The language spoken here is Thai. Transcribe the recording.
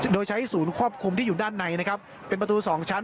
โดยใช้ศูนย์ควบคุมที่อยู่ด้านในนะครับเป็นประตู๒ชั้น